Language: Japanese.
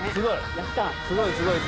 すごい。